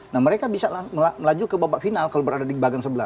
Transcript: nah mereka bisa melaju ke babak final kalau berada di bagang sebelah